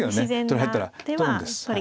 取られたら取るんです。